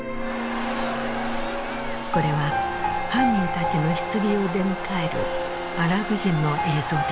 これは犯人たちの棺を出迎えるアラブ人の映像である。